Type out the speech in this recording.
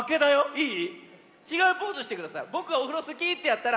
いい？